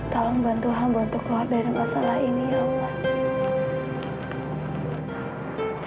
tolong bantu hamba untuk keluar dari masalah ini ya allah